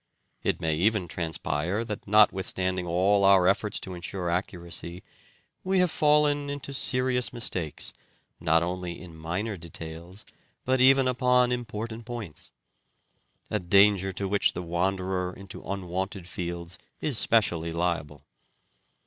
It may even transpire that, notwithstanding all our efforts to ensure accuracy, we have fallen into serious mistakes not only in minor details but even upon important points : a danger to which the wanderer into unwonted fields in specially liable.